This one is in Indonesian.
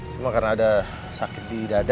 cuma karena ada sakit di dada